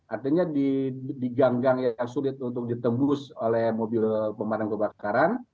artinya di gang gang yang sulit untuk ditembus oleh mobil pemadam kebakaran